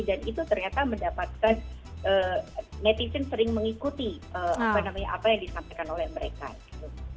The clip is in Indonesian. dan itu ternyata mendapatkan netizen sering mengikuti apa yang disampaikan oleh mereka